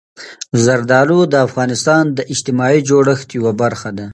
زردالو د افغانستان د اجتماعي جوړښت یوه برخه ده.